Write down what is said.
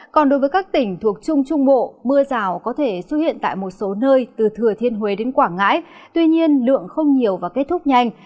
còn đối với các tỉnh thuộc trung trung bộ mưa rào có thể xuất hiện tại một số nơi từ thừa thiên huế đến quảng ngãi tuy nhiên lượng không nhiều và kết thúc nhanh